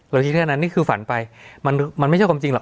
คิดแค่นั้นนี่คือฝันไปมันไม่ใช่ความจริงหรอก